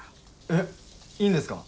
えっいいんですか？